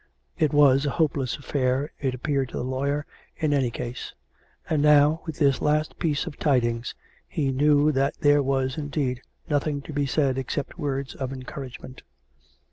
It was a hopeless affair^ it appeared to the lawyer, in any case. And now, with this last piece of tidings, he knew that there was, indeed, nothing to be said except words of encouragement.